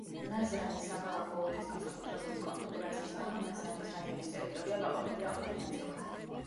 ნაზრანის საქალაქო ოლქის განსაკუთრებული კონფიგურაციის გამო ნაზრანის რაიონის ტერიტორია გაყოფილია ორ ნაწილად.